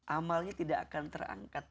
amalnya tidak akan terangkat